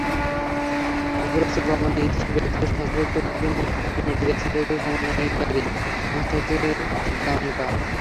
মধ্যপ্রাচ্যে গমনে ইচ্ছুক ব্যক্তিদের স্বাস্থ্যপরীক্ষার জন্য অনুমোদিত মেডিকেল সেন্টারগুলোর সমন্বয়কারী সংস্থা হচ্ছে গামকা।